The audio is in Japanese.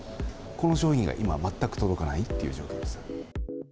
この商品が今、全く届かないって状況です。